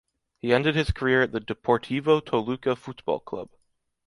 He ended his career at the Deportivo Toluca Fútbol Club.